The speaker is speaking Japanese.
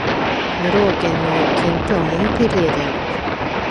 エロー県の県都はモンペリエである